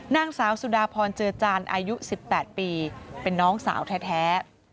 นางสาวสุดาพรเจือจานอายุ๑๘ปีเป็นน้องสาวแท้